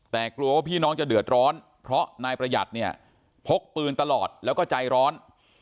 แต่กลัวว่าพี่น้องจะเดือดร้อนเพราะนายประหยัดเนี่ยพกปืนตลอดแล้วก็ใจร้อน